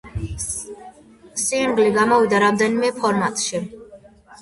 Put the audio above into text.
სინგლი გამოვიდა რამდენიმე ფორმატში.